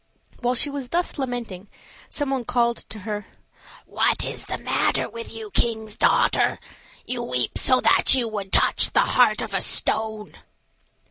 While she was thus lamenting some one called to her: "What is the matter with you, king's daughter? You weep so that you would touch the heart of a stone."